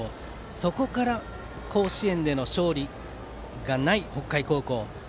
そこから甲子園での勝利がない北海高校。